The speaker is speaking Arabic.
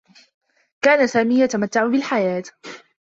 كان سامي يتمتّع بالحياة.